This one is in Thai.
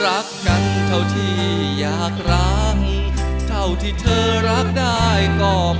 รักกันเท่าที่อยากร้างเท่าที่เธอรักได้ก็